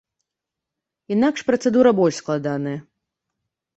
Інакш працэдура больш складаная.